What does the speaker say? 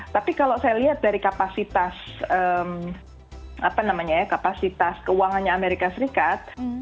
tapi kalau saya lihat dari kapasitas apa namanya ya kapasitas keuangannya amerika serikat